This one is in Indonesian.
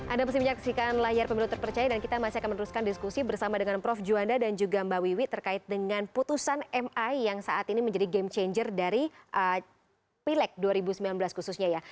anda masih menyaksikan layar pemilu terpercaya dan kita masih akan meneruskan diskusi bersama dengan prof juanda dan juga mbak wiwi terkait dengan putusan mi yang saat ini menjadi game changer dari pileg dua ribu sembilan belas khususnya ya